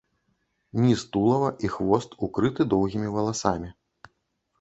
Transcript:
Ніз тулава і хвост укрыты доўгімі валасамі.